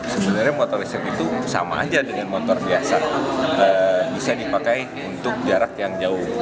sebenarnya motor listrik itu sama aja dengan motor biasa bisa dipakai untuk jarak yang jauh